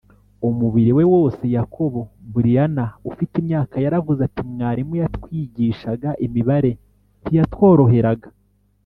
umubiri we wose Yakobo Brianna ufite imyaka yaravuze ati mwarimu watwigishaga imibare ntiyatworoheraga